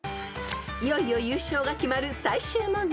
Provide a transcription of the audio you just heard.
［いよいよ優勝が決まる最終問題］